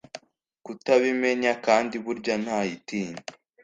kutabimenya kandi burya ntayitinya